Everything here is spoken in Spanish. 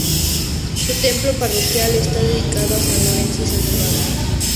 Su templo parroquial está dedicado a San Lorenzo y San Salvador.